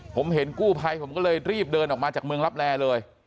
ผมเห็นกู้ภัยผมก็เลยรีบเดินออกมาจากเมืองลับแลเลย